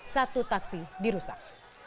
satu taksi dirusak